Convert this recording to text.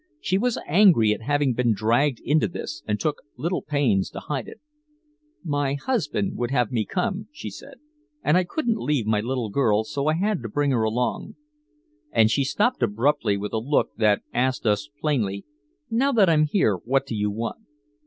She was angry at having been dragged into this and took little pains to hide it. "My husband would have me come," she said. "And I couldn't leave my little girl, so I had to bring her along." And she stopped abruptly with a look that asked us plainly, "Now that I'm here, what do you want?"